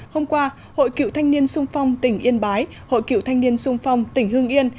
hôm qua hội cựu thanh niên sung phong tỉnh yên bái hội cựu thanh niên sung phong tỉnh hưng yên